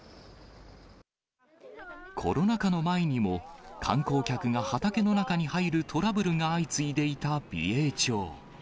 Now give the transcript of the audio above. コロナ禍の前にも、観光客が畑の中に入るトラブルが相次いでいた美瑛町。